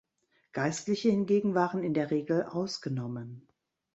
Geistliche hingegen waren in der Regel ausgenommen.